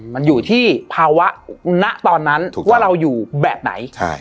มันอยู่ที่ภาวะณตอนนั้นว่าเราอยู่แบบไหน